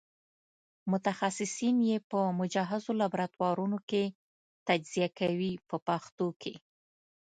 متخصصین یې په مجهزو لابراتوارونو کې تجزیه کوي په پښتو کې.